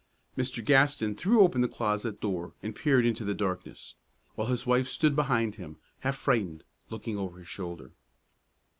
Mr. Gaston threw open the closet door and peered into the darkness, while his wife stood behind him, half frightened, looking over his shoulder.